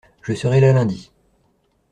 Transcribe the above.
Je serai là lundi.